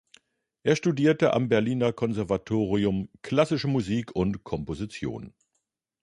Er studierte am Berliner Konservatorium Klassische Musik und Komposition.